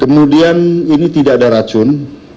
kemudian ini tidak ada racun